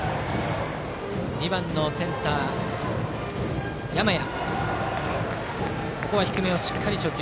２番のセンター、山家。